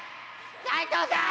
斉藤さん！